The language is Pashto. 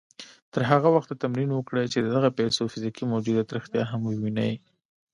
تر هغه وخته تمرين وکړئ چې د دغو پيسو فزيکي موجوديت رښتيا هم ووينئ.